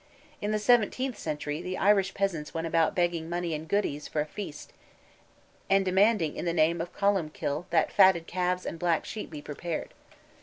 In the seventeenth century the Irish peasants went about begging money and goodies for a feast, and demanding in the name of Columb Kill that fatted calves and black sheep be prepared.